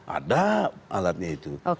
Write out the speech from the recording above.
ada alatnya itu